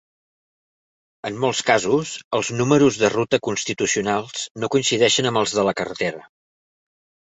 En molts casos, els números de ruta constitucionals no coincideixen amb els de la carretera.